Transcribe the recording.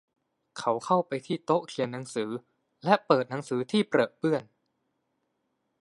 เขาไปที่โต๊ะเขียนหนังสือ และเปิดหนังสือที่เปรอะเปื้อน